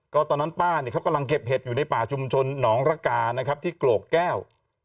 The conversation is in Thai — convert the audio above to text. ก็ตอนนั้นป้าเนี่ยเขากำลังเก็บเห็ดอยู่ในป่าชุมชนหนองระกานะครับที่โกรกแก้ว